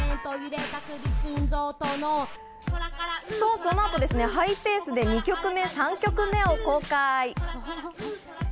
そのあとハイペースで２曲目、３曲目を公開。